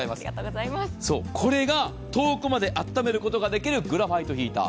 これが遠くまであっためることができるグラファイトヒーター。